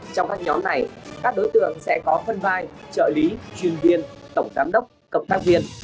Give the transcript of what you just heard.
trong các nhóm này các đối tượng sẽ có phân vai trợ lý chuyên viên tổng giám đốc cộng tác viên